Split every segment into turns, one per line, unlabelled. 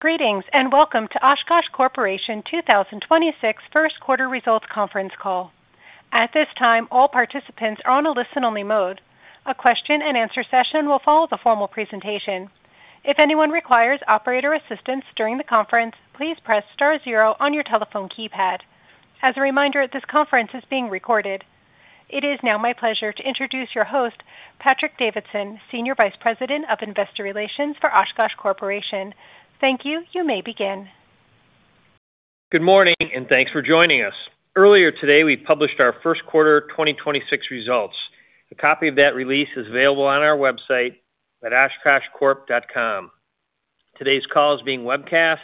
Greetings, welcome to Oshkosh Corporation 2026 first quarter results conference call. At this time, all participants are on a listen-only mode. A question-and-answer session will follow the formal presentation. If anyone requires operator assistance during the conference, please press star zero on your telephone keypad. As a reminder, this conference is being recorded. It is now my pleasure to introduce your host, Patrick Davidson, Senior Vice President of Investor Relations for Oshkosh Corporation. Thank you. You may begin.
Good morning, and thanks for joining us. Earlier today, we published our first quarter 2026 results. A copy of that release is available on our website at oshkoshcorp.com. Today's call is being webcast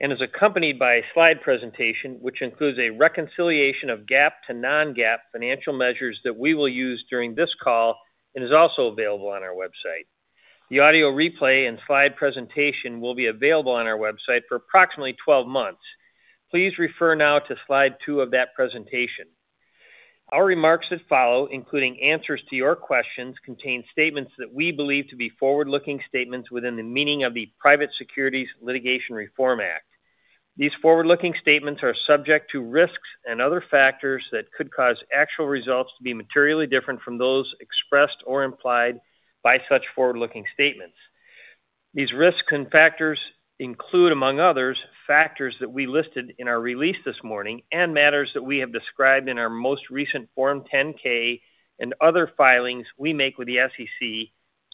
and is accompanied by a slide presentation, which includes a reconciliation of GAAP to non-GAAP financial measures that we will use during this call and is also available on our website. The audio replay and slide presentation will be available on our website for approximately 12 months. Please refer now to slide two of that presentation. Our remarks that follow, including answers to your questions, contain statements that we believe to be forward-looking statements within the meaning of the Private Securities Litigation Reform Act. These forward-looking statements are subject to risks and other factors that could cause actual results to be materially different from those expressed or implied by such forward-looking statements. These risks and factors include, among others, factors that we listed in our release this morning and matters that we have described in our most recent Form 10-K and other filings we make with the SEC,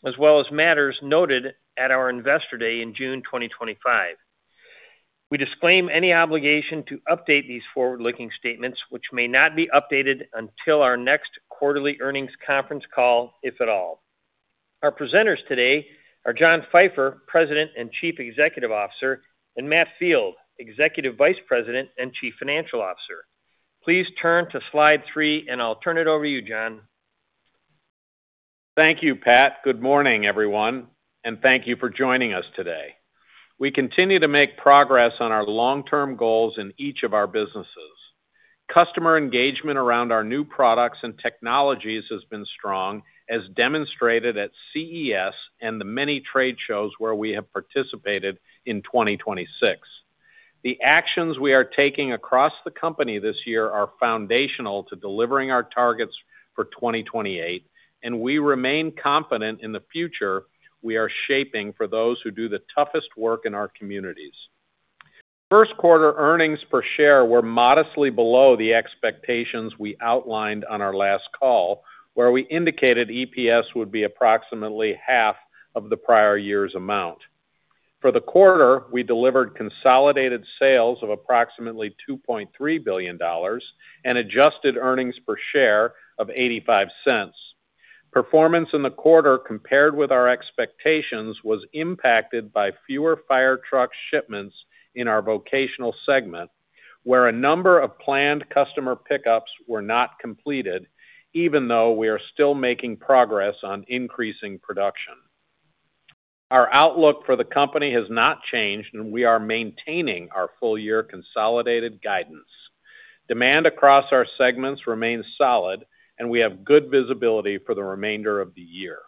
as well as matters noted at our Investor Day in June 2025. We disclaim any obligation to update these forward-looking statements, which may not be updated until our next quarterly earnings conference call, if at all. Our presenters today are John Pfeifer, President and Chief Executive Officer, and Matt Field, Executive Vice President and Chief Financial Officer. Please turn to slide three, and I'll turn it over to you, John.
Thank you, Pat. Good morning, everyone, and thank you for joining us today. We continue to make progress on our long-term goals in each of our businesses. Customer engagement around our new products and technologies has been strong, as demonstrated at CES and the many trade shows where we have participated in 2026. The actions we are taking across the company this year are foundational to delivering our targets for 2028, and we remain confident in the future we are shaping for those who do the toughest work in our communities. First quarter earnings per share were modestly below the expectations we outlined on our last call, where we indicated EPS would be approximately half of the prior year's amount. For the quarter, we delivered consolidated sales of approximately $2.3 billion and adjusted earnings per share of $0.85. Performance in the quarter compared with our expectations was impacted by fewer fire truck shipments in our Vocational segment, where a number of planned customer pickups were not completed, even though we are still making progress on increasing production. Our outlook for the company has not changed, and we are maintaining our full-year consolidated guidance. Demand across our segments remains solid, and we have good visibility for the remainder of the year.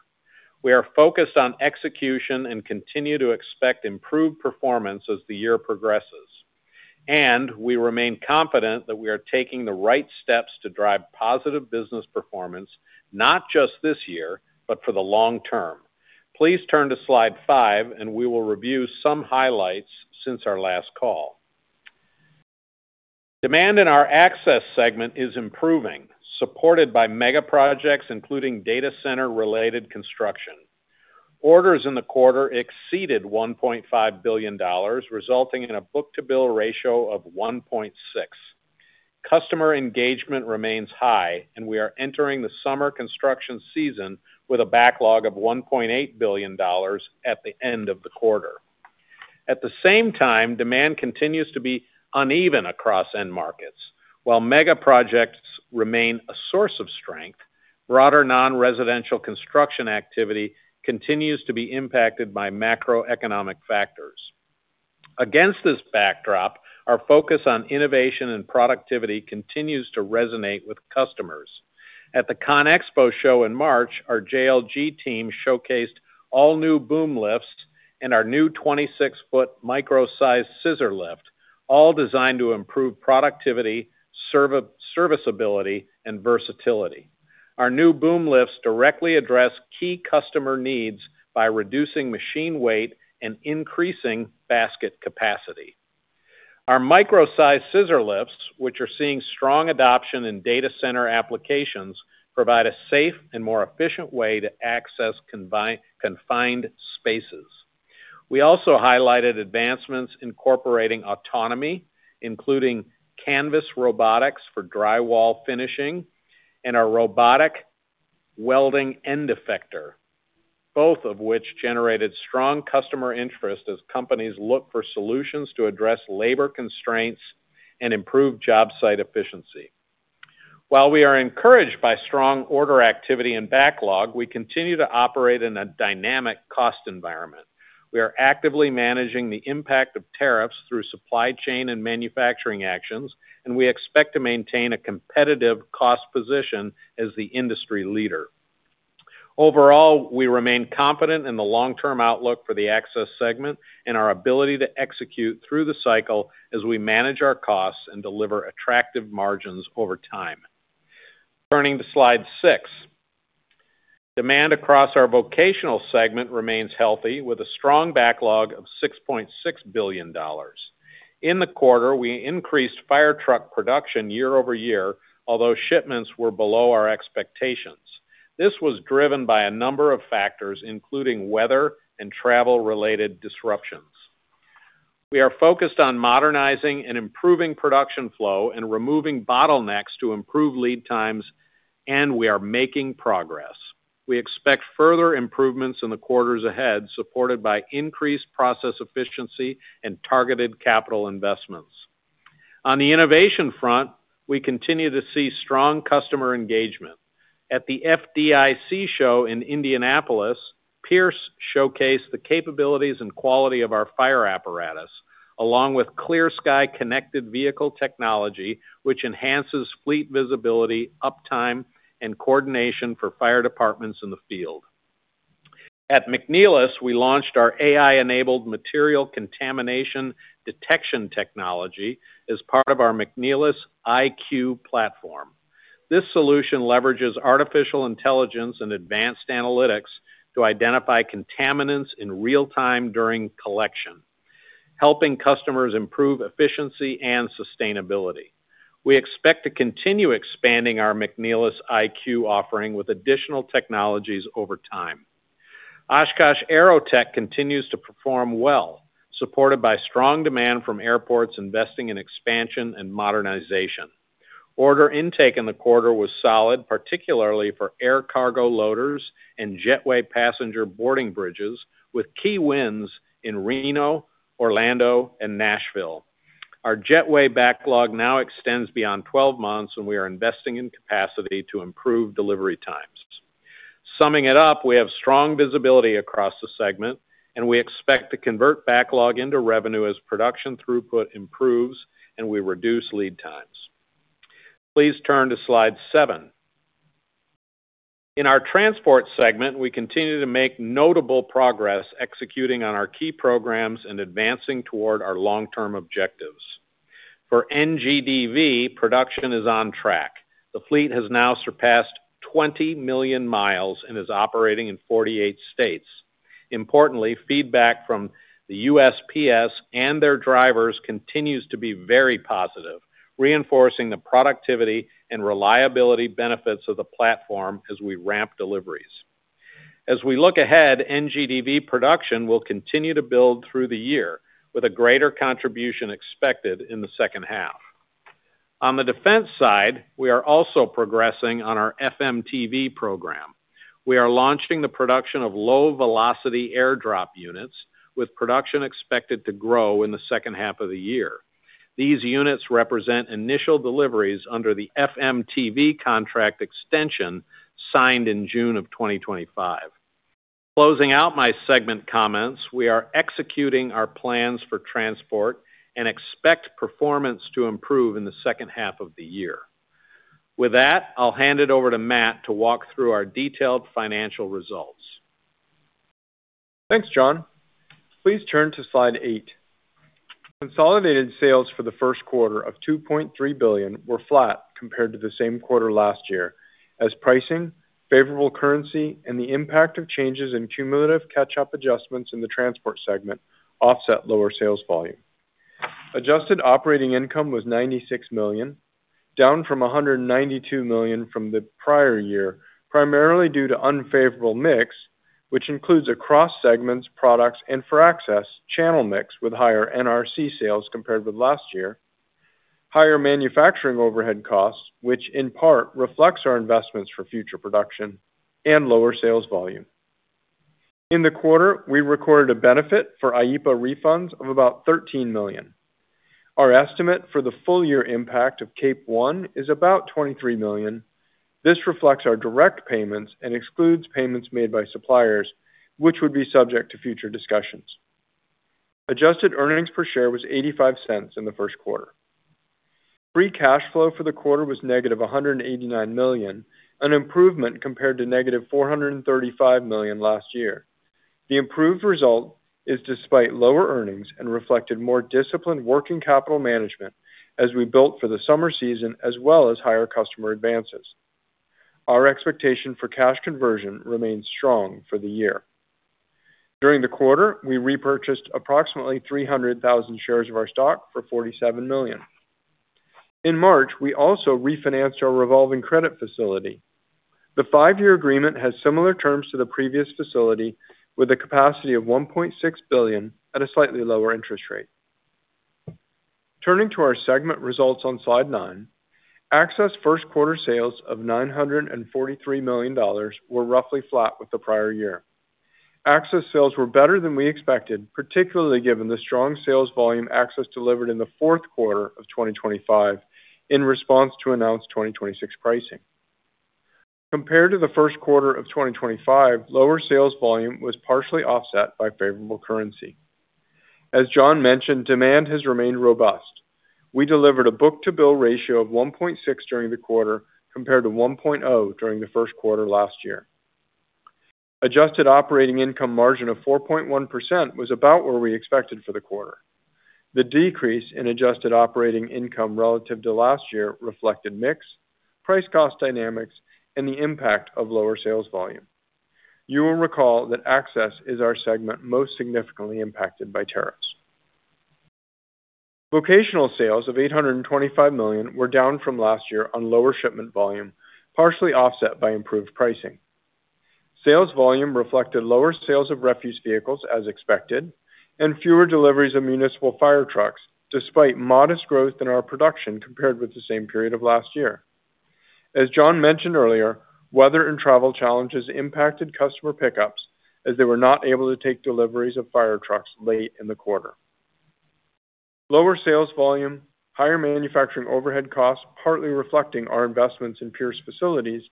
We are focused on execution and continue to expect improved performance as the year progresses, and we remain confident that we are taking the right steps to drive positive business performance, not just this year, but for the long term. Please turn to slide five, and we will review some highlights since our last call. Demand in our Access segment is improving, supported by mega projects, including data center-related construction. Orders in the quarter exceeded $1.5 billion, resulting in a book-to-bill ratio of 1.6. Customer engagement remains high and we are entering the summer construction season with a backlog of $1.8 billion at the end of the quarter. At the same time, demand continues to be uneven across end markets. While mega projects remain a source of strength, broader non-residential construction activity continues to be impacted by macroeconomic factors. Against this backdrop, our focus on innovation and productivity continues to resonate with customers. At the CONEXPO show in March, our JLG team showcased all-new boom lifts and our new 26 ft micro-sized scissor lift, all designed to improve productivity, serviceability, and versatility. Our new boom lifts directly address key customer needs by reducing machine weight and increasing basket capacity. Our micro-sized scissor lifts, which are seeing strong adoption in data center applications, provide a safe and more efficient way to Access confined spaces. We also highlighted advancements incorporating autonomy, including Canvas robotics for drywall finishing and our robotic welding end effector, both of which generated strong customer interest as companies look for solutions to address labor constraints and improve job site efficiency. While we are encouraged by strong order activity and backlog, we continue to operate in a dynamic cost environment. We are actively managing the impact of tariffs through supply chain and manufacturing actions and we expect to maintain a competitive cost position as the industry leader. Overall, we remain confident in the long-term outlook for the Access segment and our ability to execute through the cycle as we manage our costs and deliver attractive margins over time. Turning to slide six. Demand across our Vocational segment remains healthy, with a strong backlog of $6.6 billion. In the quarter, we increased fire truck production year-over-year, although shipments were below our expectations. This was driven by a number of factors, including weather and travel-related disruptions. We are focused on modernizing and improving production flow and removing bottlenecks to improve lead times, and we are making progress. We expect further improvements in the quarters ahead, supported by increased process efficiency and targeted capital investments. On the innovation front, we continue to see strong customer engagement. At the FDIC show in Indianapolis, Pierce showcased the capabilities and quality of our fire apparatus, along with ClearSky connected vehicle technology, which enhances fleet visibility, uptime, and coordination for fire departments in the field. At McNeilus, we launched our AI-enabled material contamination detection technology as part of our McNeilus IQ platform. This solution leverages artificial intelligence and advanced analytics to identify contaminants in real time during collection, helping customers improve efficiency and sustainability. We expect to continue expanding our McNeilus IQ offering with additional technologies over time. Oshkosh AeroTech continues to perform well, supported by strong demand from airports investing in expansion and modernization. Order intake in the quarter was solid, particularly for air cargo loaders and jetway passenger boarding bridges, with key wins in Reno, Orlando and Nashville. Our jetway backlog now extends beyond 12 months and we are investing in capacity to improve delivery times. Summing it up, we have strong visibility across the segment. We expect to convert backlog into revenue as production throughput improves and we reduce lead times. Please turn to slide seven. In our Transport segment, we continue to make notable progress executing on our key programs and advancing toward our long-term objectives. For NGDV, production is on track. The fleet has now surpassed 20 million mi and is operating in 48 states. Importantly, feedback from the USPS and their drivers continues to be very positive, reinforcing the productivity and reliability benefits of the platform as we ramp deliveries. As we look ahead, NGDV production will continue to build through the year, with a greater contribution expected in the second half. On the defense side, we are also progressing on our FMTV program. We are launching the production of low-velocity air drop units, with production expected to grow in the second half of the year. These units represent initial deliveries under the FMTV contract extension signed in June of 2025. Closing out my segment comments, we are executing our plans for transport and expect performance to improve in the second half of the year. With that, I'll hand it over to Matt to walk through our detailed financial results.
Thanks, John. Please turn to slide eight. Consolidated sales for the first quarter of $2.3 billion were flat compared to the same quarter last year, as pricing, favorable currency, and the impact of changes in cumulative catch-up adjustments in the transport segment offset lower sales volume. Adjusted operating income was $96 million, down from $192 million from the prior year, primarily due to unfavorable mix, which includes across segments, products, and for Access, channel mix with higher NRC sales compared with last year, higher manufacturing overhead costs, which in part reflects our investments for future production and lower sales volume. In the quarter, we recorded a benefit for IEEPA refunds of about $13 million. Our estimate for the full year impact of Cape One is about $23 million. This reflects our direct payments and excludes payments made by suppliers, which would be subject to future discussions. Adjusted earnings per share was $0.85 in the first quarter. Free cash flow for the quarter was $-189 million, an improvement compared to $-435 million last year. The improved result is despite lower earnings and reflected more disciplined working capital management as we built for the summer season as well as higher customer advances. Our expectation for cash conversion remains strong for the year. During the quarter, we repurchased approximately 300,000 shares of our stock for $47 million. In March, we also refinanced our revolving credit facility. The five-year agreement has similar terms to the previous facility with a capacity of $1.6 billion at a slightly lower interest rate. Turning to our segment results on slide 9, Access first quarter sales of $943 million were roughly flat with the prior year. Access sales were better than we expected, particularly given the strong sales volume Access delivered in the fourth quarter of 2025 in response to announced 2026 pricing. Compared to the first quarter of 2025, lower sales volume was partially offset by favorable currency. As John mentioned, demand has remained robust. We delivered a book-to-bill ratio of 1.6 during the quarter compared to 1.0 during the first quarter last year. Adjusted operating income margin of 4.1% was about what we expected for the quarter. The decrease in adjusted operating income relative to last year reflected mix, price cost dynamics, and the impact of lower sales volume. You will recall that Access is our segment most significantly impacted by tariffs. Vocational sales of $825 million were down from last year on lower shipment volume, partially offset by improved pricing. Sales volume reflected lower sales of refuse vehicles as expected and fewer deliveries of municipal fire trucks despite modest growth in our production compared with the same period of last year. As John mentioned earlier, weather and travel challenges impacted customer pickups as they were not able to take deliveries of fire trucks late in the quarter. Lower sales volume, higher manufacturing overhead costs, partly reflecting our investments in Pierce facilities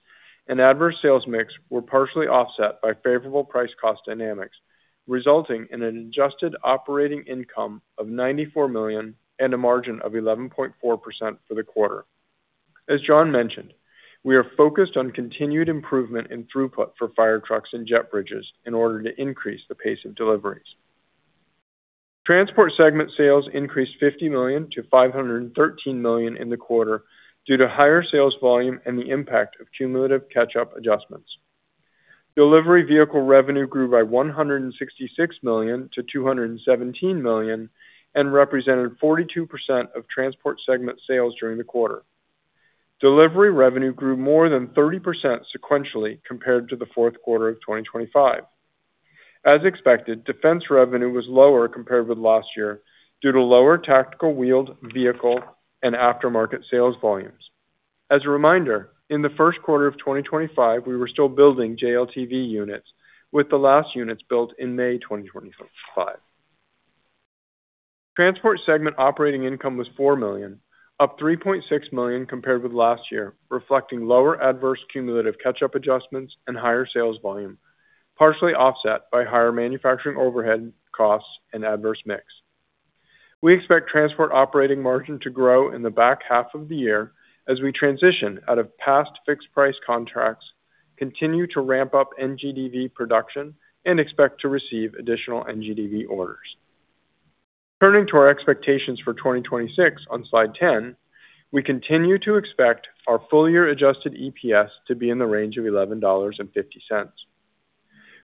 and adverse sales mix were partially offset by favorable price cost dynamics, resulting in an adjusted operating income of $94 million and a margin of 11.4% for the quarter. As John mentioned, we are focused on continued improvement in throughput for fire trucks and jet bridges in order to increase the pace of deliveries. Transport segment sales increased $50 million to $513 million in the quarter due to higher sales volume and the impact of cumulative catch-up adjustments. Delivery vehicle revenue grew by $166 million to $217 million and represented 42% of Transport segment sales during the quarter. Delivery revenue grew more than 30% sequentially compared to the fourth quarter of 2025. As expected, defense revenue was lower compared with last year due to lower tactical wheeled vehicle and aftermarket sales volumes. As a reminder, in the first quarter of 2025, we were still building JLTV units, with the last units built in May 2025. Transport segment operating income was $4 million, up $3.6 million compared with last year, reflecting lower adverse cumulative catch-up adjustments and higher sales volume, partially offset by higher manufacturing overhead costs and adverse mix. We expect Transport operating margin to grow in the back half of the year as we transition out of past fixed price contracts, continue to ramp up NGDV production, and expect to receive additional NGDV orders. Turning to our expectations for 2026 on slide 10, we continue to expect our full-year adjusted EPS to be in the range of $11.50.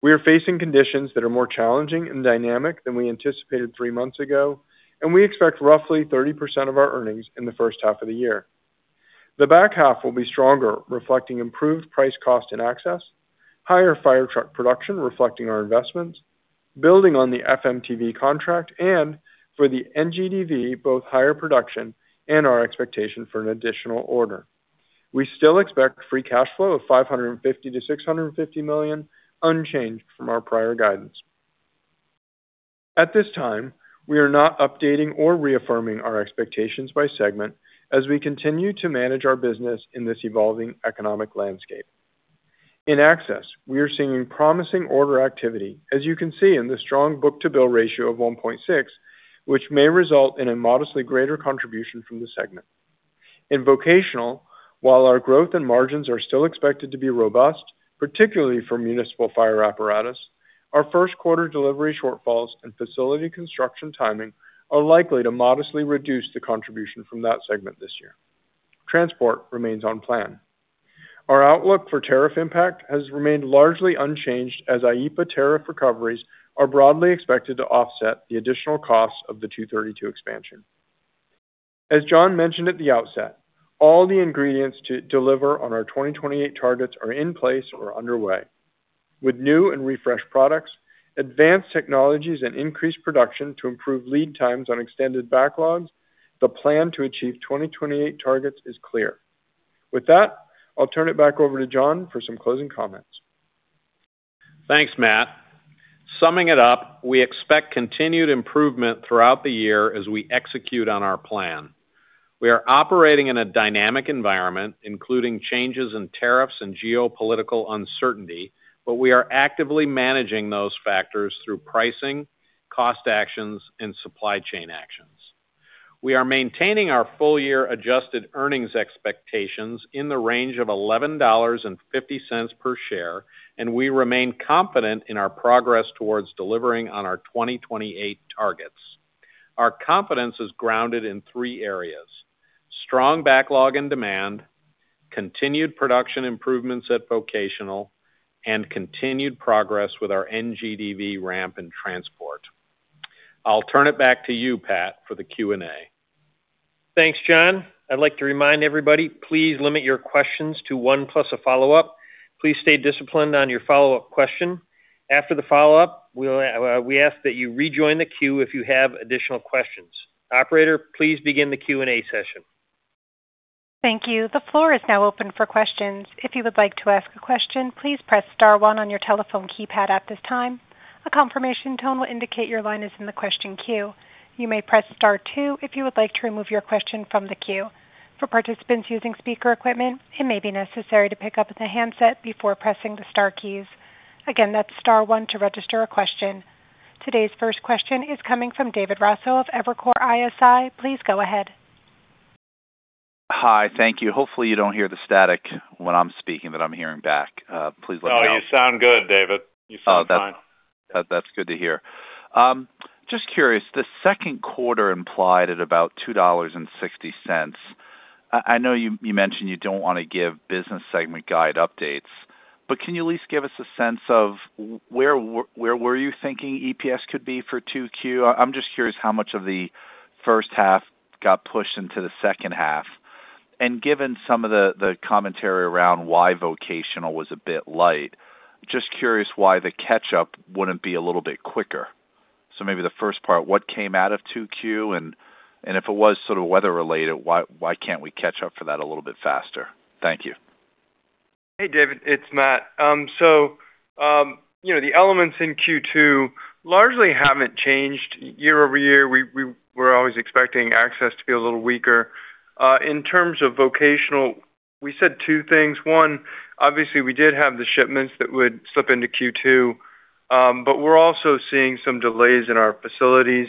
We are facing conditions that are more challenging and dynamic than we anticipated three months ago, and we expect roughly 30% of our earnings in the first half of the year. The back half will be stronger, reflecting improved price cost and Access, higher fire truck production reflecting our investments, building on the FMTV contract, and for the NGDV, both higher production and our expectation for an additional order. We still expect free cash flow of $550 million-$650 million unchanged from our prior guidance. At this time, we are not updating or reaffirming our expectations by segment as we continue to manage our business in this evolving economic landscape. In Access, we are seeing promising order activity, as you can see in the strong book-to-bill ratio of 1.6, which may result in a modestly greater contribution from the segment. In Vocational, while our growth and margins are still expected to be robust, particularly for municipal fire apparatus, our first quarter delivery shortfalls and facility construction timing are likely to modestly reduce the contribution from that segment this year. Transport remains on plan. Our outlook for tariff impact has remained largely unchanged as IEEPA tariff recoveries are broadly expected to offset the additional costs of the Section 232 expansion. As John mentioned at the outset, all the ingredients to deliver on our 2028 targets are in place or underway. With new and refreshed products, advanced technologies, and increased production to improve lead times on extended backlogs, the plan to achieve 2028 targets is clear. With that, I'll turn it back over to John for some closing comments.
Thanks, Matt. Summing it up, we expect continued improvement throughout the year as we execute on our plan. We are operating in a dynamic environment, including changes in tariffs and geopolitical uncertainty, but we are actively managing those factors through pricing, cost actions, and supply chain actions. We are maintaining our full year adjusted earnings expectations in the range of $11.50 per share, and we remain confident in our progress towards delivering on our 2028 targets. Our confidence is grounded in three areas: strong backlog and demand, continued production improvements at Vocational, and continued progress with our NGDV ramp and transport. I'll turn it back to you, Pat, for the Q&A.
Thanks, John. I'd like to remind everybody, please limit your questions to one plus a follow-up. Please stay disciplined on your follow-up question. After the follow-up, we ask that you rejoin the queue if you have additional questions. Operator, please begin the Q&A session.
Thank you. The floor is now open for questions. If you would like to ask a question, please press star one on your telephone keypad at this time. A confirmation tone will indicate your line is in the question queue. You may press star two if you would like to remove your question from the queue. For participants using speaker equipment, it may be necessary to pick up the handset before pressing the star keys. Again, that's star one to register a question. Today's first question is coming from David Raso of Evercore ISI. Please go ahead.
Hi. Thank you. Hopefully, you don't hear the static when I'm speaking that I'm hearing back. Please let me know.
No, you sound good, David. You sound fine.
That's good to hear. Just curious, the second quarter implied at about $2.60. You mentioned you don't want to give business segment guide updates, can you at least give us a sense of where were you thinking EPS could be for 2Q? I'm just curious how much of the first half got pushed into the second half. Given some of the commentary around why Vocational was a bit light, just curious why the catch-up wouldn't be a little bit quicker. Maybe the first part, what came out of 2Q, if it was sort of weather related, why can't we catch up for that a little bit faster? Thank you.
Hey, David. It's Matt. You know, the elements in Q2 largely haven't changed year-over-year. We were always expecting Access to be a little weaker. In terms of Vocational, we said two things. One, obviously, we did have the shipments that would slip into Q2 but we're also seeing some delays in our facilities.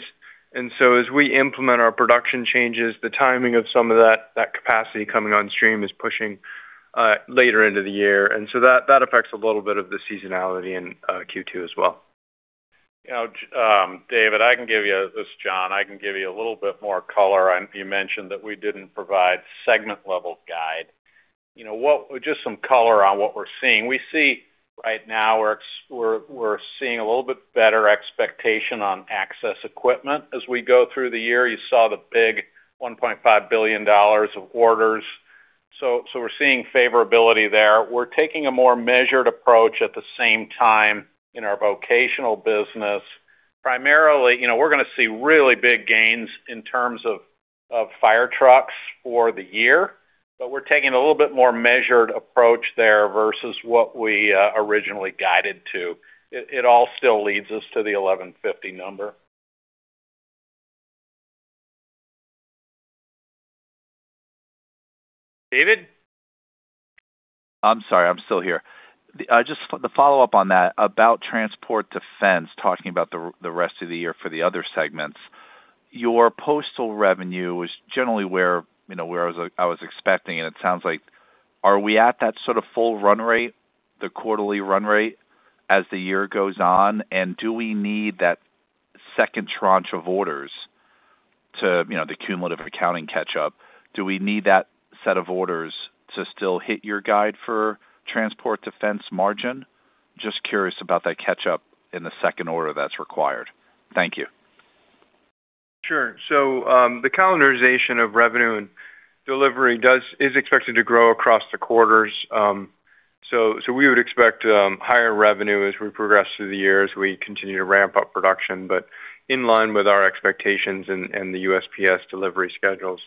As we implement our production changes, the timing of some of that capacity coming on stream is pushing later into the year so that affects a little bit of the seasonality in Q2 as well.
You know, David, this is John. I can give you a little bit more color. You mentioned that we didn't provide segment-level guide. Just some color on what we're seeing. We see right now we're seeing a little bit better expectation on Access equipment as we go through the year. You saw the big $1.5 billion of orders. We're seeing favorability there. We're taking a more measured approach at the same time in our Vocational business. Primarily, you know, we're gonna see really big gains in terms of fire trucks for the year, but we're taking a little bit more measured approach there versus what we originally guided to. It all still leads us to the $11.50 number.
David?
I'm sorry. I'm still here. Just the follow-up on that about Transport Defense, talking about the rest of the year for the other segments. Your postal revenue was generally where, you know, where I was expecting, and it sounds like, are we at that sort of full run rate, the quarterly run rate as the year goes on, and do we need that second tranche of orders to, you know, the cumulative accounting catch-up? Do we need that set of orders to still hit your guide for Transport Defense margin? Just curious about that catch-up in the second order that's required. Thank you.
Sure. The calendarization of revenue and delivery is expected to grow across the quarters. We would expect higher revenue as we progress through the year, as we continue to ramp up production. In line with our expectations and the USPS delivery schedules.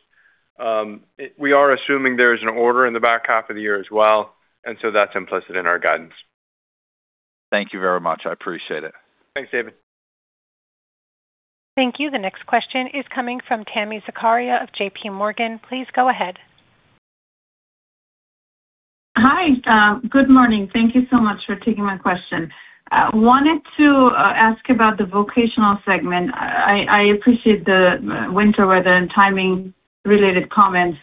We are assuming there is an order in the back half of the year as well, and so that's implicit in our guidance.
Thank you very much. I appreciate it.
Thanks, David.
Thank you. The next question is coming from Tami Zakaria of JPMorgan. Please go ahead.
Hi. Good morning. Thank you so much for taking my question. I wanted to ask about the Vocational segment. I appreciate the winter weather and timing-related comments.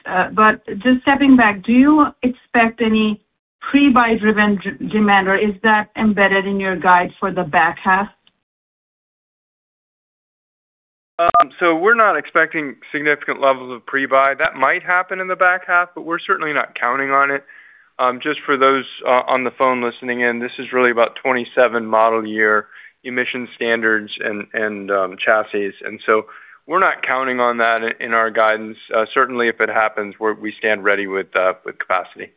Just stepping back, do you expect any pre-buy driven de-demand, or is that embedded in your guide for the back half?
We're not expecting significant levels of pre-buy. That might happen in the back half, but we're certainly not counting on it. Just for those on the phone listening in, this is really about 27 model year emission standards and chassis an so we're not counting on that in our guidance. Certainly, if it happens, we stand ready with capacity.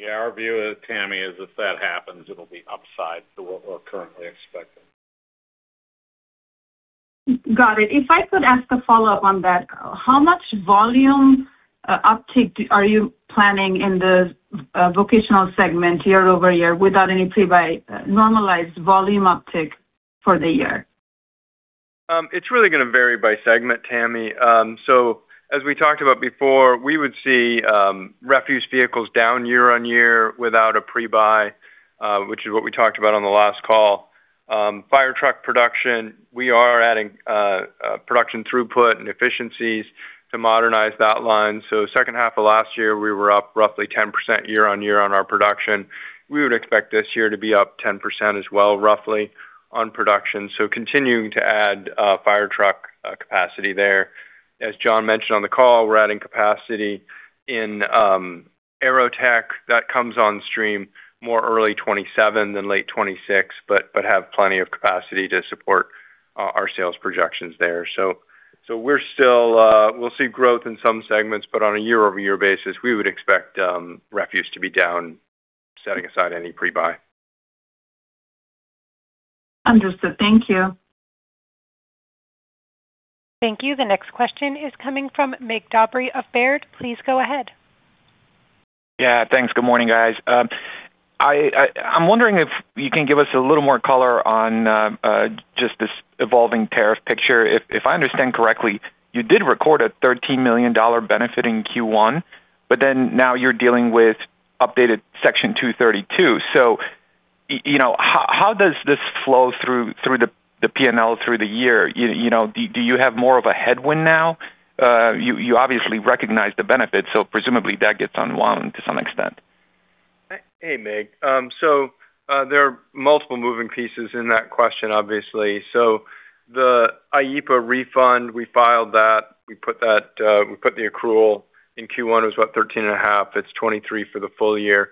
Yeah. Our view, Tami, is if that happens, it'll be upside to what we're currently expecting.
Got it. If I could ask a follow-up on that. How much volume uptick are you planning in the Vocational segment year-over-year without any pre-buy normalized volume uptick for the year?
It's really gonna vary by segment, Tami. As we talked about before, we would see refuse vehicles down year-over-year without a pre-buy, which is what we talked about on the last call. Fire truck production, we are adding production throughput and efficiencies to modernize that line. Second half of last year, we were up roughly 10% year-over-year on our production. We would expect this year to be up 10% as well, roughly, on production so continuing to add fire truck capacity there. As John mentioned on the call, we're adding capacity in AeroTech that comes on stream more early 2027 than late 2026, but have plenty of capacity to support our sales projections there. We're still, we'll see growth in some segments, but on a year-over-year basis, we would expect refuse to be down, setting aside any pre-buy.
Understood. Thank you.
Thank you. The next question is coming from Mig Dobre of Baird. Please go ahead.
Yeah. Thanks. Good morning, guys. I'm wondering if you can give us a little more color on just this evolving tariff picture. If I understand correctly, you did record a $13 million benefit in Q1. Now you're dealing with updated Section 232. You know, how does this flow through the P&L through the year? You know, do you have more of a headwind now? You obviously recognize the benefits, presumably that gets unwound to some extent.
Hey, Mig. There are multiple moving pieces in that question, obviously. The IEEPA refund, we filed that. We put that, we put the accrual in Q1. It was, what, $13.5. It's $23 for the full year.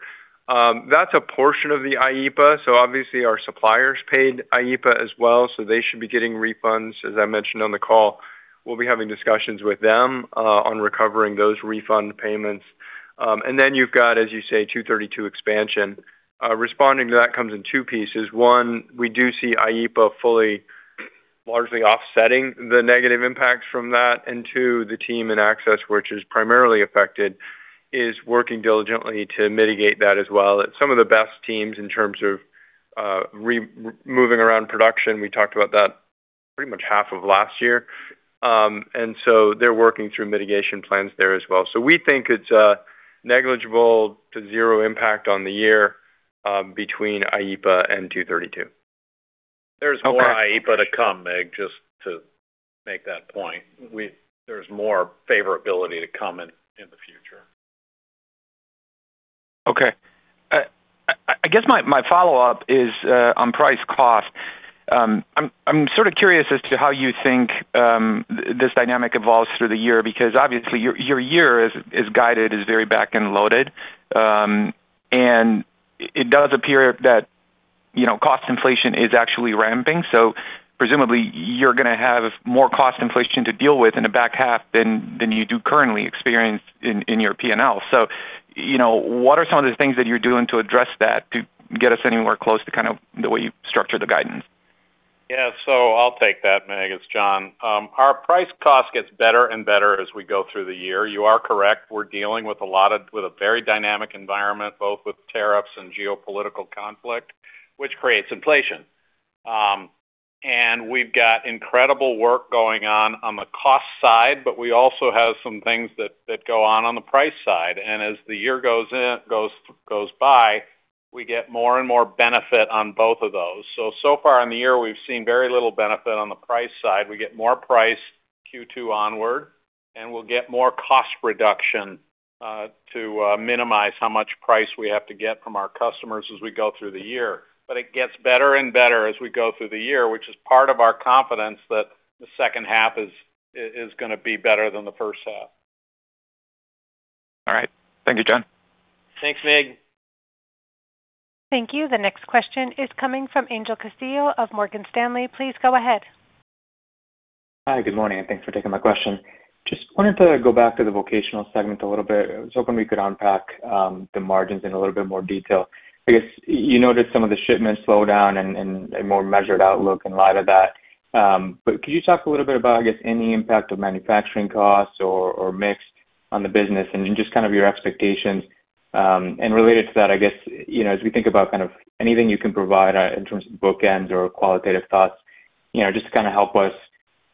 That's a portion of the IEEPA, so obviously our suppliers paid IEEPA as well, so they should be getting refunds. As I mentioned on the call, we'll be having discussions with them on recovering those refund payments. You've got, as you say, 232 expansion. Responding to that comes in two pieces. One, we do see IEEPA fully largely offsetting the negative impacts from that. Two, the team in Access, which is primarily affected, is working diligently to mitigate that as well. Some of the best teams in terms of moving around production, we talked about that pretty much half of last year. They're working through mitigation plans there as well. We think it's a negligible to zero impact on the year, between IEEPA and 232.
Okay.
There's more IEEPA to come, Mig, just to make that point. There's more favorability to come in the future.
I guess my follow-up is on price cost. I'm sort of curious as to how you think this dynamic evolves through the year because obviously your year is guided as very back end loaded. It does appear that, you know, cost inflation is actually ramping. Presumably you're gonna have more cost inflation to deal with in the back half than you do currently experienced in your P&L. You know, what are some of the things that you're doing to address that to get us anywhere close to kind of the way you structured the guidance?
Yeah. I'll take that, Mig. It's John. Our price cost gets better and better as we go through the year. You are correct. We're dealing with a very dynamic environment, both with tariffs and geopolitical conflict, which creates inflation. We've got incredible work going on on the cost side, but we also have some things that go on on the price side. As the year goes by, we get more and more benefit on both of those. So far in the year, we've seen very little benefit on the price side. We get more price Q2 onward, we'll get more cost reduction to minimize how much price we have to get from our customers as we go through the year. It gets better and better as we go through the year, which is part of our confidence that the second half is gonna be better than the first half.
All right. Thank you, John.
Thanks, Mig.
Thank you. The next question is coming from Angel Castillo of Morgan Stanley. Please go ahead.
Hi, good morning, and thanks for taking my question. Just wanted to go back to the Vocational segment a little bit. I was hoping we could unpack the margins in a little bit more detail. I guess you noticed some of the shipments slowed down and a more measured outlook in light of that. Could you talk a little bit about, I guess, any impact of manufacturing costs or mix on the business and just kind of your expectations? Related to that, I guess, you know, as we think about kind of anything you can provide in terms of bookends or qualitative thoughts, you know, just to kind of help us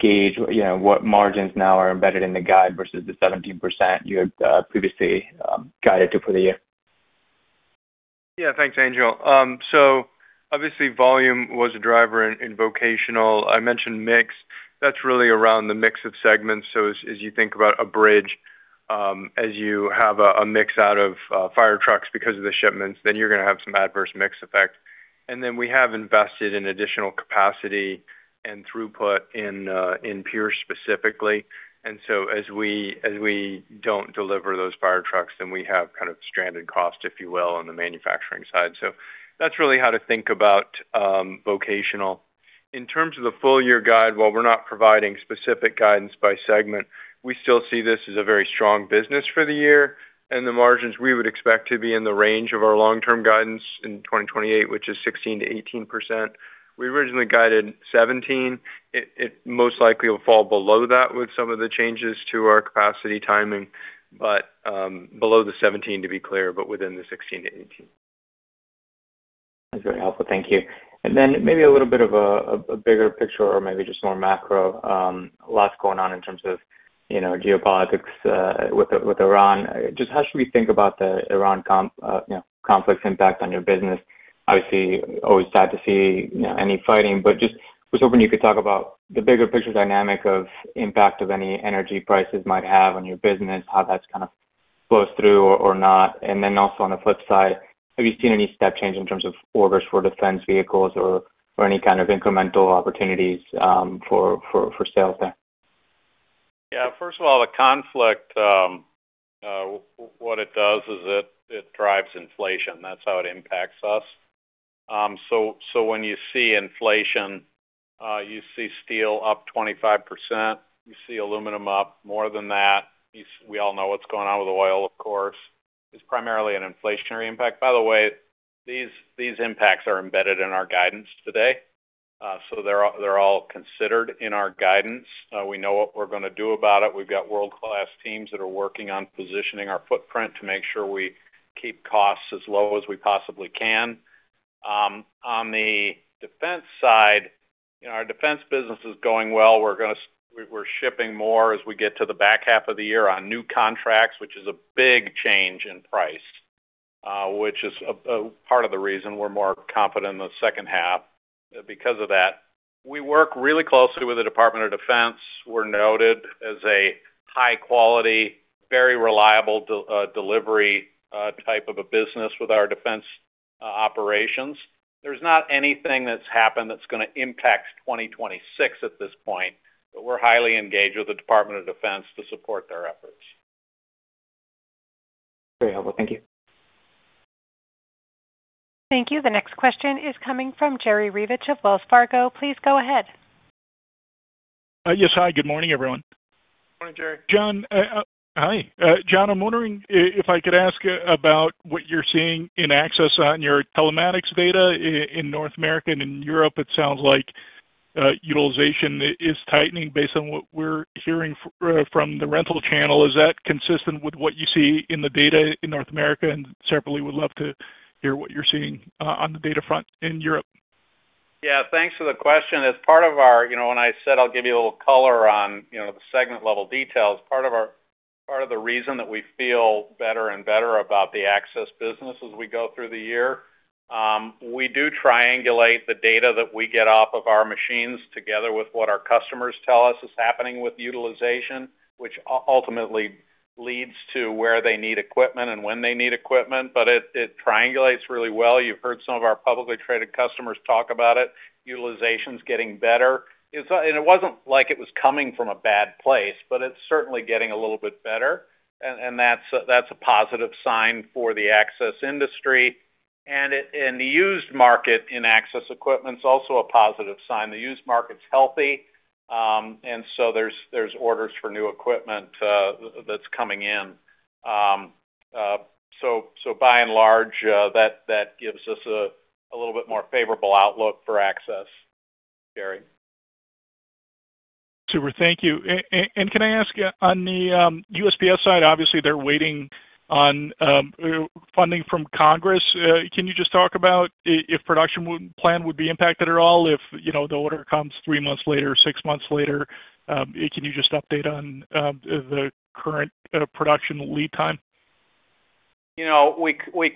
gauge, you know, what margins now are embedded in the guide versus the 17% you had previously guided to for the year.
Yeah. Thanks, Angel. Obviously volume was a driver in Vocational, I mentioned mix. That's really around the mix of segments. As you think about a bridge, as you have a mix out of fire trucks because of the shipments, then you're gonna have some adverse mix effect. We have invested in additional capacity and throughput in Pierce Manufacturing specifically. As we don't deliver those fire trucks, then we have kind of stranded cost, if you will, on the manufacturing side. That's really how to think about Vocational. In terms of the full year guide, while we're not providing specific guidance by segment, we still see this as a very strong business for the year. The margins we would expect to be in the range of our long-term guidance in 2028, which is 16%-18%. We originally guided 17%. It most likely will fall below that with some of the changes to our capacity timing, but below the 17% to be clear, but within the 16%-18%.
That's very helpful. Thank you. Maybe a little bit of a bigger picture or maybe just more macro, lots going on in terms of, you know, geopolitics with Iran. Just how should we think about the Iran conflict impact on your business? Obviously, always sad to see, you know, any fighting, but just was hoping you could talk about the bigger picture dynamic of impact of any energy prices might have on your business, how that kind of flows through or not. Also on the flip side, have you seen any step change in terms of orders for defense vehicles or any kind of incremental opportunities for sales there?
First of all, the conflict, what it does is it drives inflation. That's how it impacts us. When you see inflation, you see steel up 25%. You see aluminum up more than that. We all know what's going on with oil, of course. It's primarily an inflationary impact. By the way, these impacts are embedded in our guidance today and so they're all considered in our guidance. We know what we're gonna do about it. We've got world-class teams that are working on positioning our footprint to make sure we keep costs as low as we possibly can. On the defense side, you know, our defense business is going well. We're shipping more as we get to the back half of the year on new contracts, which is a big change in price, which is a part of the reason we're more confident in the second half because of that. We work really closely with the Department of Defense. We're noted as a high quality, very reliable delivery type of a business with our defense operations. There's not anything that's happened that's gonna impact 2026 at this point, but we're highly engaged with the Department of Defense to support their efforts.
Very helpful. Thank you.
Thank you. The next question is coming from Jerry Revich of Wells Fargo. Please go ahead.
Yes. Hi, good morning, everyone.
Morning, Jerry.
John, Hi, John, I'm wondering if I could ask about what you're seeing in Access on your telematics data in North America and in Europe. It sounds like utilization is tightening based on what we're hearing from the rental channel. Is that consistent with what you see in the data in North America? Separately, would love to hear what you're seeing on the data front in Europe.
Thanks for the question. As part of our, you know, when I said I'll give you a little color on, you know, the segment-level details, part of the reason that we feel better and better about the Access business as we go through the year, we do triangulate the data that we get off of our machines together with what our customers tell us is happening with utilization, which ultimately leads to where they need equipment and when they need equipment. It triangulates really well. You've heard some of our publicly traded customers talk about it, utilization's getting better. It wasn't like it was coming from a bad place, but it's certainly getting a little bit better. That's a positive sign for the Access industry. In the used market in Access equipment, it's also a positive sign. The used market's healthy. There's orders for new equipment that's coming in. By and large, that gives us a little bit more favorable outlook for Access, Jerry.
Super. Thank you. Can I ask, on the USPS side, obviously, they're waiting on funding from Congress. Can you just talk about if production plan would be impacted at all if, you know, the order comes three months later, six months later? Can you just update on the current production lead time?
You know,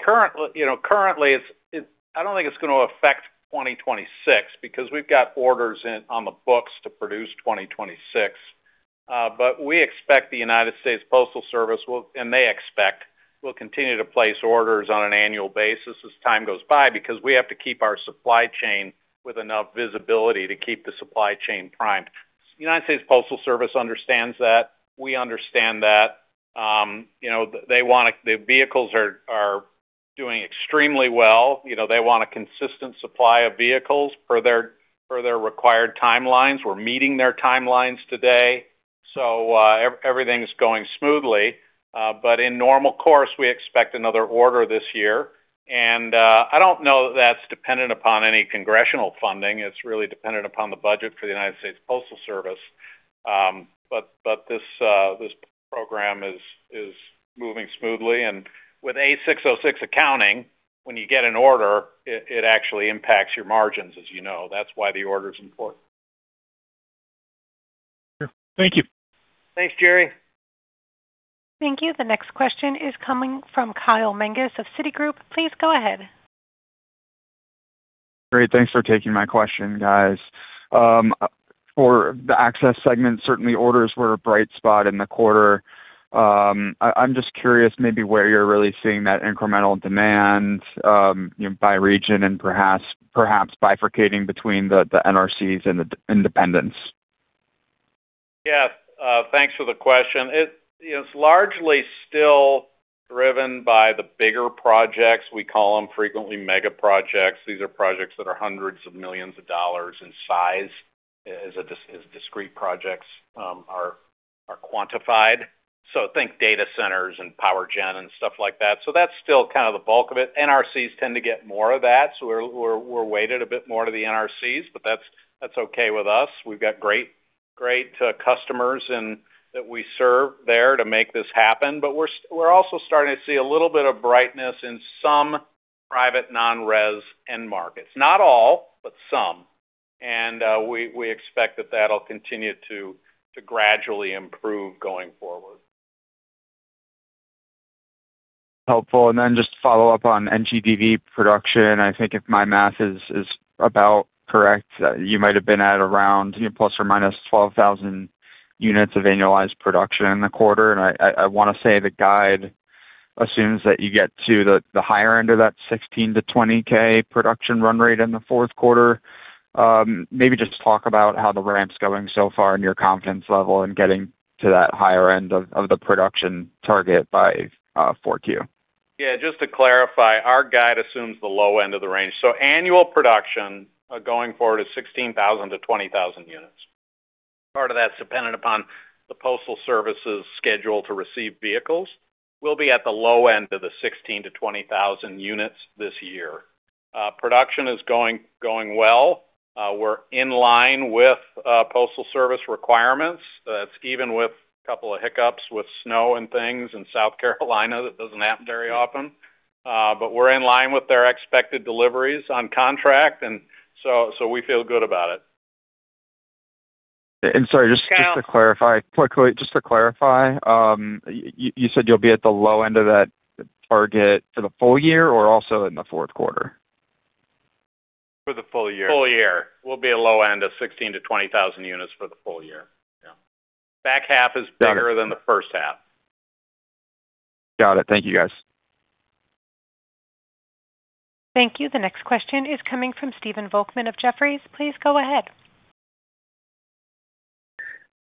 currently it's, I don't think it's gonna affect 2026 because we've got orders in on the books to produce 2026. We expect the United States Postal Service will, and they expect, will continue to place orders on an annual basis as time goes by because we have to keep our supply chain with enough visibility to keep the supply chain primed. United States Postal Service understands that. We understand that. You know, they want the vehicles are doing extremely well. You know, they want a consistent supply of vehicles per their, per their required timelines. We're meeting their timelines today, everything's going smoothly. In normal course, we expect another order this year. I don't know that that's dependent upon any congressional funding. It's really dependent upon the budget for the United States Postal Service but this program is moving smoothly. With ASC 606 accounting, when you get an order, it actually impacts your margins as you know. That's why the order is important.
Sure. Thank you.
Thanks, Jerry.
Thank you. The next question is coming from Kyle Menges of Citigroup. Please go ahead.
Great. Thanks for taking my question, guys. For the Access segment, certainly orders were a bright spot in the quarter. I'm just curious maybe where you're really seeing that incremental demand, you know, by region and perhaps bifurcating between the NRCs and the independents.
Yeah. Thanks for the question. You know, it's largely still driven by the bigger projects. We call them frequently mega projects. These are projects that are hundreds of millions of dollars in size as discrete projects, are quantified. Think data centers and power gen and stuff like that. That's still kind of the bulk of it. NRCs tend to get more of that, we're weighted a bit more to the NRCs, that's okay with us. We've got great customers and that we serve there to make this happen. We're also starting to see a little bit of brightness in some private non-res end markets. Not all, but some and we expect that that'll continue to gradually improve going forward.
Helpful. Then just to follow up on NGDV production. I think if my math is about correct, you might have been at around ±12,000 units of annualized production in the quarter. I wanna say the guide assumes that you get to the higher end of that 16,000-20,000 production run rate in the fourth quarter. Maybe just talk about how the ramp's going so far and your confidence level in getting to that higher end of the production target by 4Q.
Just to clarify, our guide assumes the low end of the range. Annual production going forward is 16,000-20,000 units. Part of that's dependent upon the Postal Service's schedule to receive vehicles. We'll be at the low end of the 16,000-20,000 units this year. Production is going well. We're in line with Postal Service requirements. That's even with a couple of hiccups with snow and things in South Carolina and that doesn't happen very often. We're in line with their expected deliveries on contract, so we feel good about it.
And sorry, just-
Kyle.
...just to clarify quickly, you said you'll be at the low end of that target for the full year or also in the fourth quarter?
For the full year.
Full year. We'll be a low end of 16,000-20,000 units for the full year.
Yeah.
Back half is bigger than the first half.
Got it. Thank you, guys.
Thank you. The next question is coming from Stephen Volkmann of Jefferies. Please go ahead.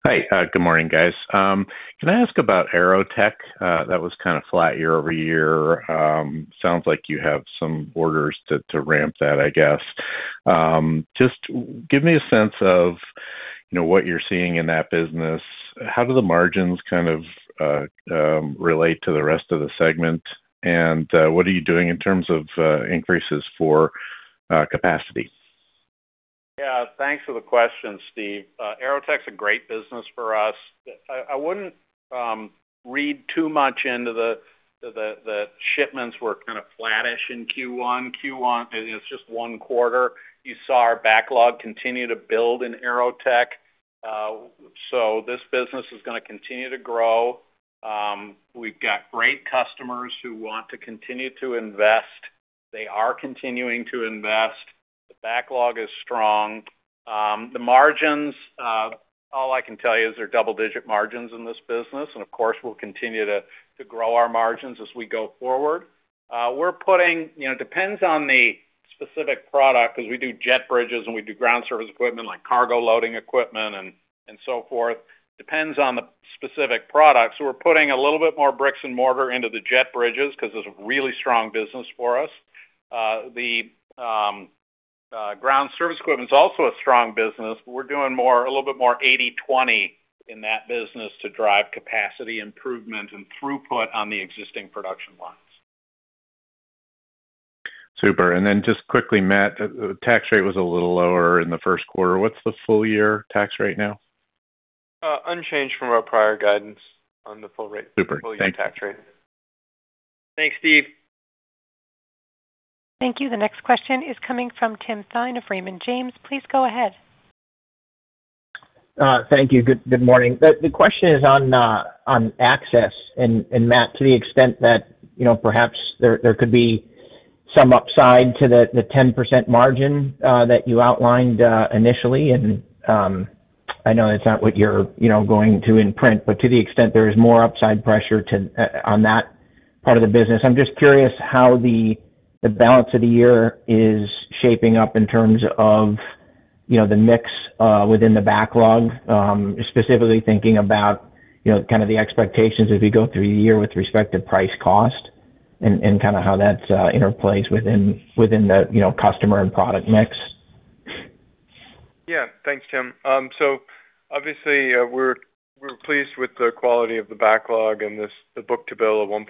Hi. Good morning, guys. Can I ask about Oshkosh AeroTech? That was kind of flat year-over-year. Sounds like you have some orders to ramp that, I guess. Just give me a sense of, you know, what you're seeing in that business. How do the margins kind of relate to the rest of the segment and what are you doing in terms of increases for capacity?
Yeah. Thanks for the question, Steve. AeroTech's a great business for us. I wouldn't read too much into the shipments were kind of flattish in Q1. Q1, it's just one quarter. You saw our backlog continue to build in AeroTech. This business is gonna continue to grow. We've got great customers who want to continue to invest, they are continuing to invest. The backlog is strong. The margins, all I can tell you is they're double-digit margins in this business, of course, we'll continue to grow our margins as we go forward. You know, depends on the specific product because we do jet bridges, we do ground service equipment like cargo loading equipment so forth. It depends on the specific product. We're putting a little bit more bricks and mortar into the jet bridges because it's a really strong business for us. The ground service equipment is also a strong business. We're doing more, a little bit more 80/20 in that business to drive capacity improvement and throughput on the existing production lines.
Super. Just quickly, Matt, the tax rate was a little lower in the first quarter. What's the full year tax rate now?
Unchanged from our prior guidance on the full
Super. Thank you.
Full year tax rate.
Thanks, Steve.
Thank you. The next question is coming from Tim Thein of Raymond James. Please go ahead.
Thank you. Good morning. The question is on Access and Matt, to the extent that, you know, perhaps there could be some upside to the 10% margin that you outlined initially. I know that's not what you're, you know, going to imprint, but to the extent there is more upside pressure on that part of the business. I'm just curious how the balance of the year is shaping up in terms of, you know, the mix within the backlog. Specifically thinking about, you know, kind of the expectations as we go through the year with respect to price cost and kind of how that interplays within the, you know, customer and product mix.
Thanks, Tim. Obviously, we're pleased with the quality of the backlog and this, the book-to-bill of 1.6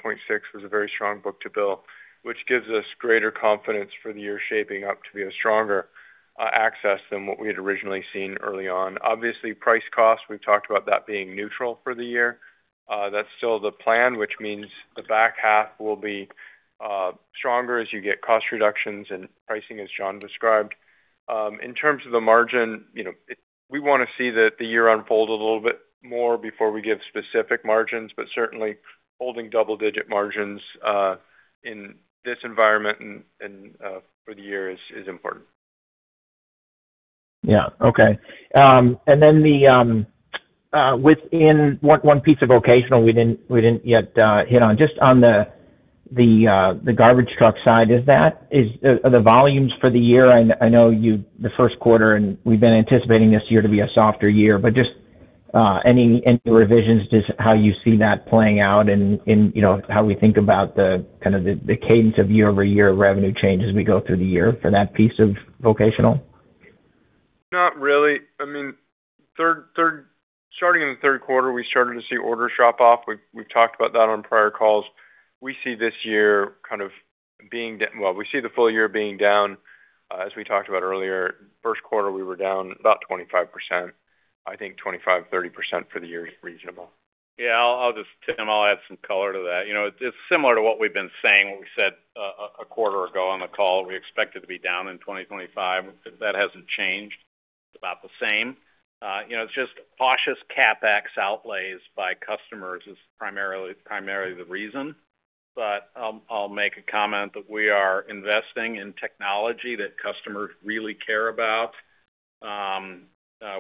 was a very strong book-to-bill, which gives us greater confidence for the year shaping up to be a stronger Access than what we had originally seen early on. Obviously, price cost, we've talked about that being neutral for the year. That's still the plan, which means the back half will be stronger as you get cost reductions and pricing, as John described. In terms of the margin, you know, we wanna see the year unfold a little bit more before we give specific margins, but certainly holding double-digit margins in this environment and for the year is important.
Yeah. Okay. Within one piece of Vocational we didn't yet hit on. Just on the garbage truck side, the volumes for the year, I know the first quarter we've been anticipating this year to be a softer year, just any revisions to how you see that playing out in, you know, how we think about the kind of the cadence of year-over-year revenue change as we go through the year for that piece of Vocational?
Not really. I mean, starting in the third quarter, we started to see orders drop off. We've talked about that on prior calls. Well, we see the full year being down as we talked about earlier. First quarter, we were down about 25%. I think 25%-30% for the year is reasonable.
Yeah. I'll just add some color to that. You know, it's similar to what we've been saying, what we said a quarter ago on the call. We expect it to be down in 2025. That hasn't changed. It's about the same. You know, it's just cautious CapEx outlays by customers is primarily the reason. I'll make a comment that we are investing in technology that customers really care about.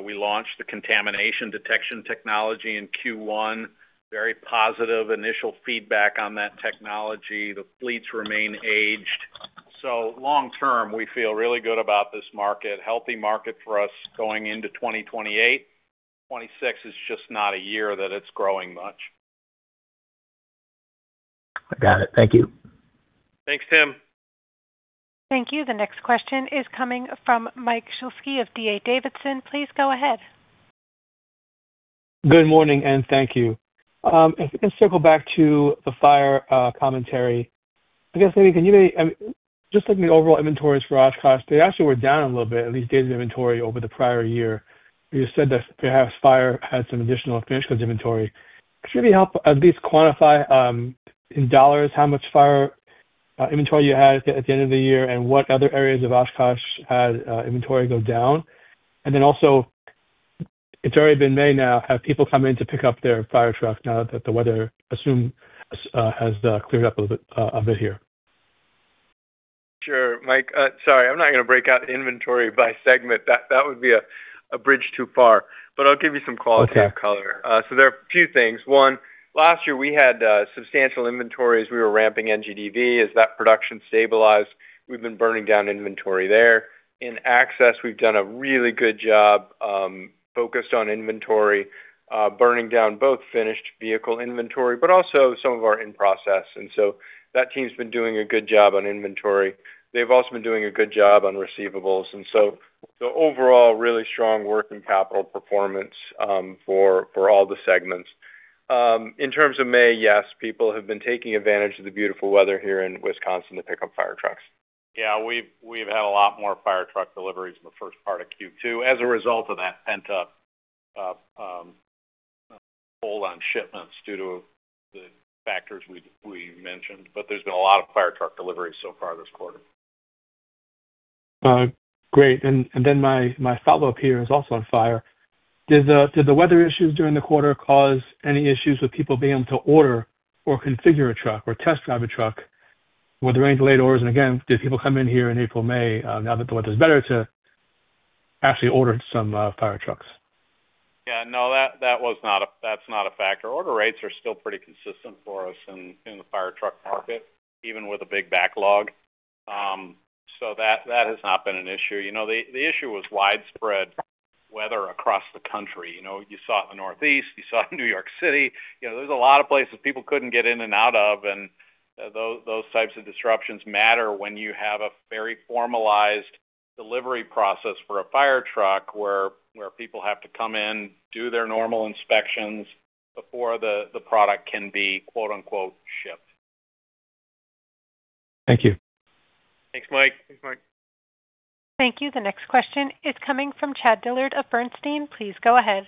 We launched the contamination detection technology in Q1. Very positive initial feedback on that technology. The fleets remain aged. Long term, we feel really good about this market. Healthy market for us going into 2028. 2026 is just not a year that it's growing much.
I got it. Thank you.
Thanks, Tim.
Thank you. The next question is coming from Mike Shlisky of D.A. Davidson. Please go ahead.
Good morning, and thank you. If we can circle back to the fire commentary. I guess, just looking at overall inventories for Oshkosh, they actually were down a little bit, at least days of inventory over the prior year. You said that perhaps fire had some additional finished goods inventory. Could you maybe help at least quantify in dollars how much fire inventory you had at the end of the year and what other areas of Oshkosh had inventory go down? Then also, it's already been May now have people come in to pick up their fire truck now that the weather, assume, has cleared up a bit here?
Sure, Mike. Sorry, I'm not gonna break out inventory by segment. That would be a bridge too far, I'll give you some qualitative color.
Okay.
There are a few things. One, last year we had substantial inventories. We were ramping NGDV. As that production stabilized, we've been burning down inventory there. In Access, we've done a really good job, focused on inventory, burning down both finished vehicle inventory but also some of our in-process and so that team's been doing a good job on inventory. They've also been doing a good job on receivables. The overall really strong working capital performance for all the segments. In terms of May, yes, people have been taking advantage of the beautiful weather here in Wisconsin to pick up fire trucks.
Yeah, we've had a lot more fire truck deliveries in the first part of Q2 as a result of that pent-up hold on shipments due to the factors we mentioned butThere's been a lot of fire truck deliveries so far this quarter.
Great. My follow-up here is also on fire. Did the weather issues during the quarter cause any issues with people being able to order or configure a truck or test drive a truck? Were the rains delayed orders? Again, did people come in here in April, May, now that the weather's better to actually order some fire trucks?
Yeah, no, that's not a factor. Order rates are still pretty consistent for us in the fire truck market, even with a big backlog. That has not been an issue. You know, the issue was widespread weather across the country. You know, you saw it in the Northeast. You saw it in New York City. You know, there's a lot of places people couldn't get in and out of, and those types of disruptions matter when you have a very formalized delivery process for a fire truck where people have to come in, do their normal inspections before the product can be, quote-unquote, "shipped.
Thank you.
Thanks, Mike.
Thanks, Mike.
Thank you. The next question is coming from Chad Dillard of Bernstein. Please go ahead.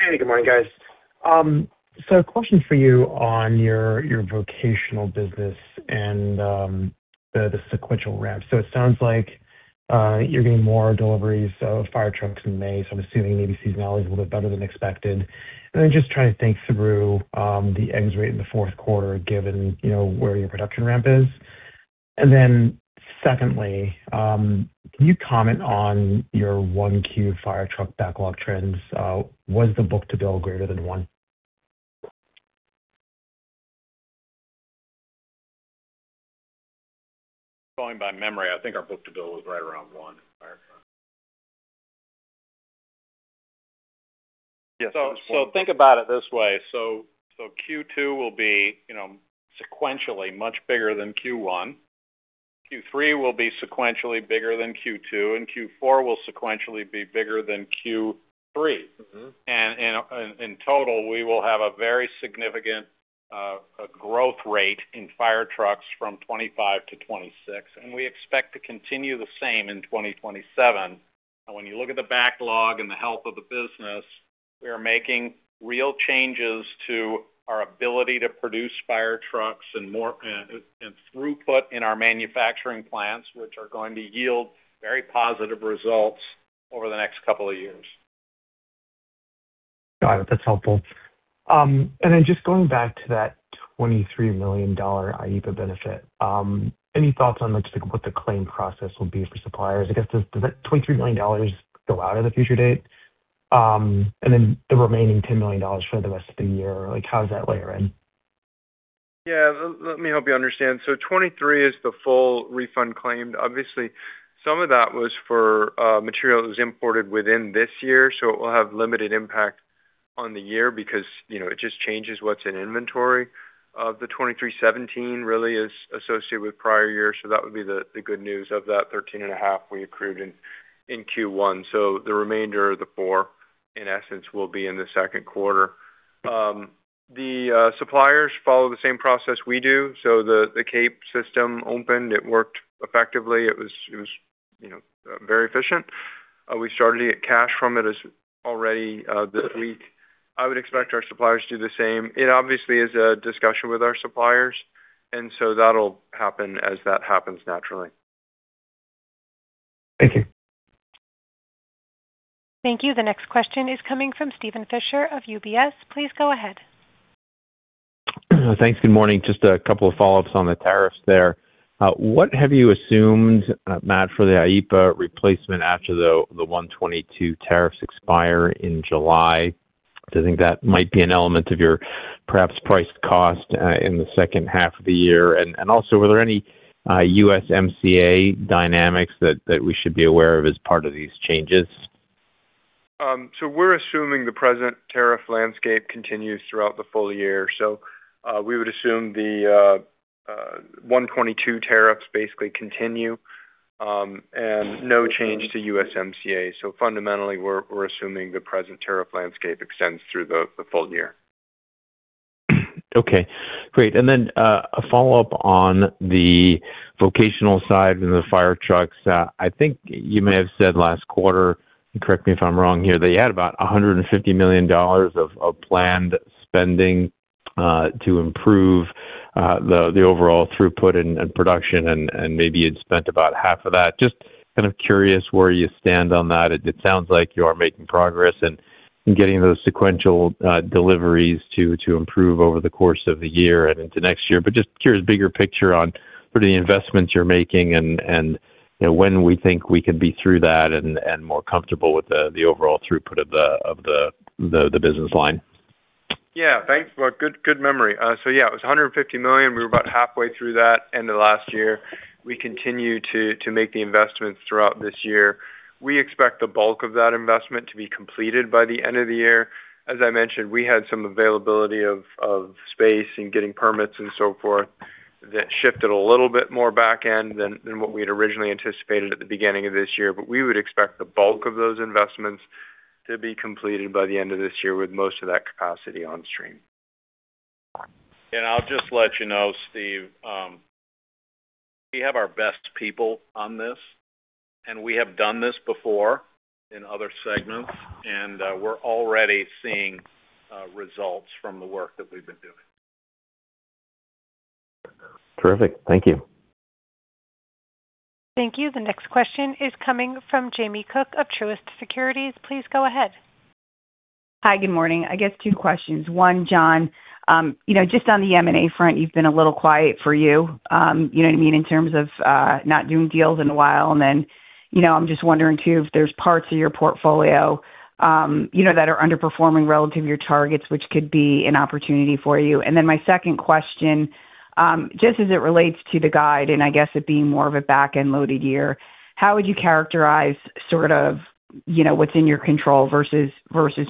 Hey, good morning, guys. A question for you on your Vocational business and the sequential ramp. It sounds like you're getting more deliveries of fire trucks in May, so I'm assuming maybe seasonality is a little bit better than expected. Just trying to think through the exit rate in the fourth quarter, given, you know, where your production ramp is. Secondly, can you comment on your 1Q fire truck backlog trends? Was the book-to-bill greater than 1?
Going by memory, I think our book-to-bill was right around 1 in fire truck.
Yes.
Think about it this way. Q2 will be, you know, sequentially much bigger than Q1. Q3 will be sequentially bigger than Q2. Q4 will sequentially be bigger than Q3. In total, we will have a very significant growth rate in fire trucks from 2025-2026, and we expect to continue the same in 2027. When you look at the backlog and the health of the business, we are making real changes to our ability to produce fire trucks and more and throughput in our manufacturing plants, which are going to yield very positive results over the next couple of years.
Got it. That's helpful. Just going back to that $23 million IEEPA benefit. Any thoughts on like what the claim process will be for suppliers? I guess, does that $23 million go out of the future date? The remaining $10 million for the rest of the year, like how does that layer in?
Yeah. Let me help you understand. 23 is the full refund claimed. Obviously, some of that was for material that was imported within this year, so it will have limited impact on the year because, you know, it just changes what's in inventory. Of the $23, $17 really is associated with prior years, so that would be the good news of that the $13.5. We accrued in Q1. The remainder of the $4, in essence, will be in the second quarter. The suppliers follow the same process we do. The CAPE system opened. It worked effectively. It was, you know, very efficient and we started to get cash from it already this week. I would expect our suppliers to do the same. It obviously is a discussion with our suppliers and so that'll happen as that happens naturally.
Thank you.
Thank you. The next question is coming from Steven Fisher of UBS. Please go ahead.
Thanks. Good morning. Just a couple of follow-ups on the tariffs there. What have you assumed, Matt, for the IEEPA replacement after the Section 122 tariffs expire in July? Do you think that might be an element of your perhaps priced cost in the second half of the year? Also, are there any USMCA dynamics that we should be aware of as part of these changes?
We're assuming the present tariff landscape continues throughout the full year. We would assume the Section 122 tariffs basically continue and no change to USMCA. Fundamentally, we're assuming the present tariff landscape extends through the full year.
Okay, great. A follow-up on the Vocational side and the fire trucks. I think you may have said last quarter, and correct me if I'm wrong here, that you had about $150 million of planned spending to improve the overall throughput and production, and maybe you'd spent about half of that. Just kind of curious where you stand on that. It sounds like you are making progress and getting those sequential deliveries to improve over the course of the year and into next year. Just curious, bigger picture on sort of the investments you're making and, you know, when we think we could be through that and more comfortable with the overall throughput of the business line.
Thanks for a good memory, so it was $150 million. We were about halfway through that end of last year. We continue to make the investments throughout this year. We expect the bulk of that investment to be completed by the end of the year. As I mentioned, we had some availability of space and getting permits and so forth that shifted a little bit more back end than what we had originally anticipated at the beginning of this year. We would expect the bulk of those investments to be completed by the end of this year, with most of that capacity on stream.
I'll just let you know, Steve, we have our best people on this, and we have done this before in other segments, and we're already seeing results from the work that we've been doing.
Terrific. Thank you.
Thank you. The next question is coming from Jamie Cook of Truist Securities. Please go ahead.
Hi. Good morning. I guess two questions. One, John, you know, just on the M&A front, you've been a little quiet for you know what I mean, in terms of not doing deals in a while. Then, you know, I'm just wondering too, if there's parts of your portfolio, you know, that are underperforming relative to your targets, which could be an opportunity for you. Then my second question, just as it relates to the guide, and I guess it being more of a back-end loaded year, how would you characterize sort of, you know, what's in your control versus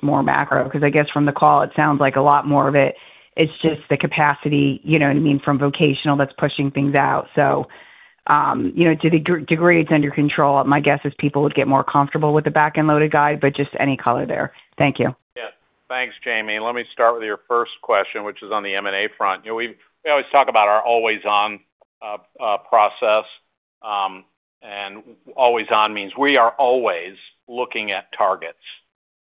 more macro? I guess from the call, it sounds like a lot more of it. It's just the capacity, you know what I mean, from Vocational that's pushing things out. You know, to the degrees it's under control, my guess is people would get more comfortable with the back-end loaded guide, but just any color there. Thank you.
Yeah. Thanks, Jamie. Let me start with your first question, which is on the M&A front. You know, we always talk about our always on process. Always on means we are always looking at targets,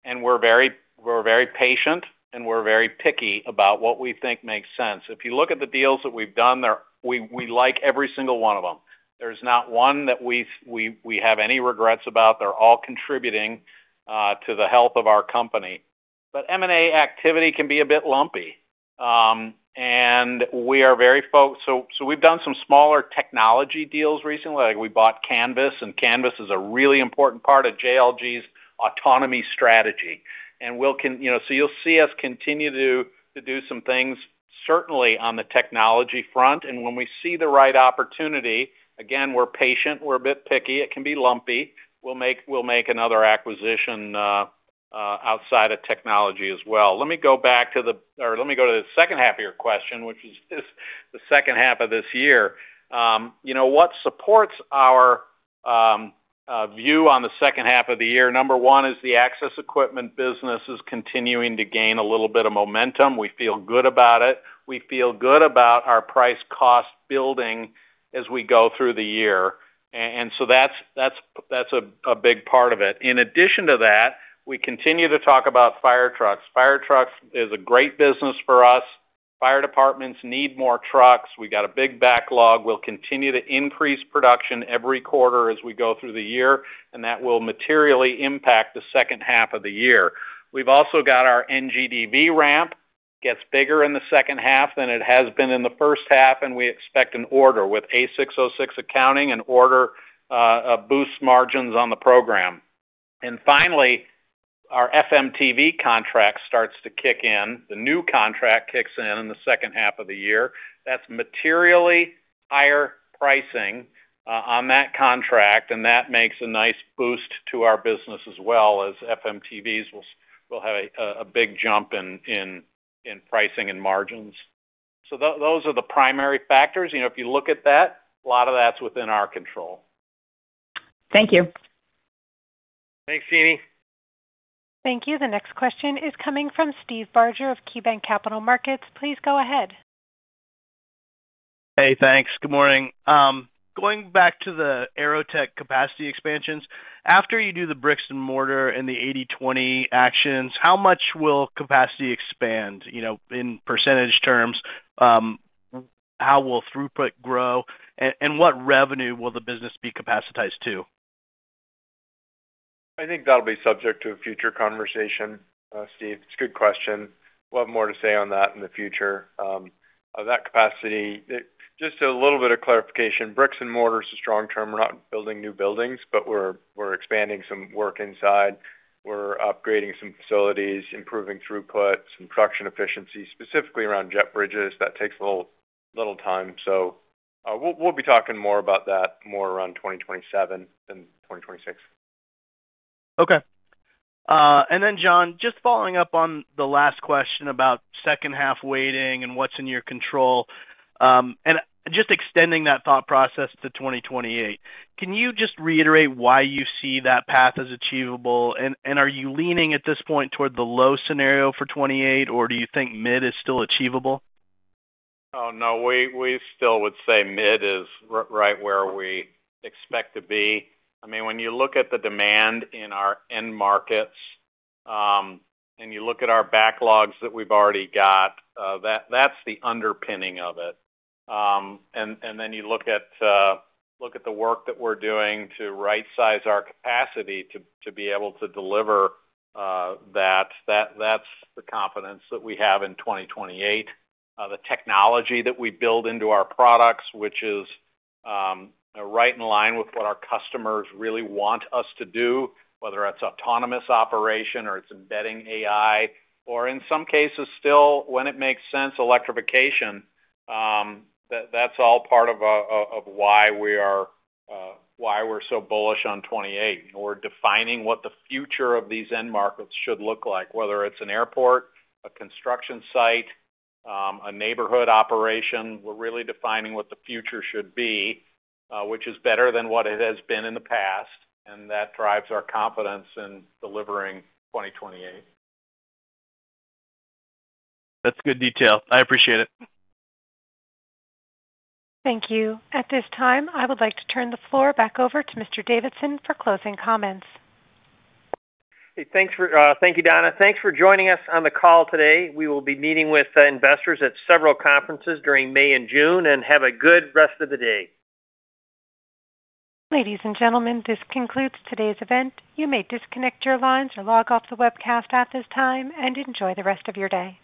and we're very patient, and we're very picky about what we think makes sense. If you look at the deals that we've done there, we like every single one of them. There's not one that we have any regrets about. They're all contributing to the health of our company. M&A activity can be a bit lumpy and we've done some smaller technology deals recently. Like we bought Canvas is a really important part of JLG's autonomy strategy. You know, so you'll see us continue to do some things certainly on the technology front. When we see the right opportunity, again, we're patient, we're a bit picky. It can be lumpy. We'll make another acquisition outside of technology as well. Let me go to the second half of your question, which is the second half of this year. You know, what supports our view on the second half of the year, number one is the Access equipment business is continuing to gain a little bit of momentum. We feel good about it. We feel good about our price cost building as we go through the year and so that's a big part of it. In addition to that, we continue to talk about fire trucks. Fire trucks is a great business for us. Fire departments need more trucks. We got a big backlog. We'll continue to increase production every quarter as we go through the year and that will materially impact the second half of the year. We've also got our NGDV ramp, gets bigger in the second half than it has been in the first half. We expect an order with ASC 606 accounting, an order boosts margins on the program. Finally, our FMTV contract starts to kick in. The new contract kicks in in the second half of the year. That's materially higher pricing on that contract. That makes a nice boost to our business as well as FMTVs will have a big jump in pricing and margins. Those are the primary factors. You know, if you look at that, a lot of that's within our control.
Thank you.
Thanks, Jamie.
Thank you. The next question is coming from Steve Barger of KeyBanc Capital Markets. Please go ahead.
Hey, thanks. Good morning. Going back to the AeroTech capacity expansions, after you do the bricks and mortar and the 80/20 actions, how much will capacity expand, you know, in percentage terms? How will throughput grow, and what revenue will the business be capacitized to?
I think that'll be subject to a future conversation, Steve. It's a good question. We'll have more to say on that in the future. That capacity, just a little bit of clarification. Bricks and mortar is a strong term. We're not building new buildings, we're expanding some work inside. We're upgrading some facilities, improving throughput, some production efficiency, specifically around jet bridges. That takes a little time. We'll be talking more about that more around 2027 than 2026.
Okay. John, just following up on the last question about second half waiting and what's in your control, and just extending that thought process to 2028, can you just reiterate why you see that path as achievable? Are you leaning at this point toward the low scenario for 2028, or do you think mid is still achievable?
Oh, no. We still would say mid is right where we expect to be. I mean, when you look at the demand in our end markets, and you look at our backlogs that we've already got, that's the underpinning of it. Then you look at the work that we're doing to right-size our capacity to be able to deliver, that's the confidence that we have in 2028. The technology that we build into our products, which is right in line with what our customers really want us to do, whether it's autonomous operation or it's embedding AI, or in some cases still, when it makes sense, electrification, that's all part of why we are, why we're so bullish on 2028. We're defining what the future of these end markets should look like, whether it's an airport, a construction site, a neighborhood operation. We're really defining what the future should be, which is better than what it has been in the past, and that drives our confidence in delivering 2028.
That's good detail. I appreciate it.
Thank you. At this time, I would like to turn the floor back over to Mr. Davidson for closing comments.
Thank you, Donna. Thanks for joining us on the call today. We will be meeting with investors at several conferences during May and June, and have a good rest of the day.
Ladies and gentlemen, this concludes today's event. You may disconnect your lines or log off the webcast at this time, and enjoy the rest of your day.